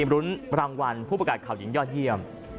รุ้นรางวัลผู้ประกาศข่าวหญิงยอดเยี่ยม